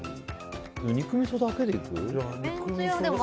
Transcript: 肉みそだけでいく？